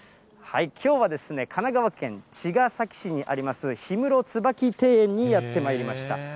きょうは神奈川県茅ヶ崎市にあります、氷室椿庭園にやってまいりました。